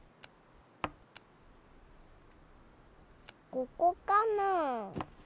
ここかなあ？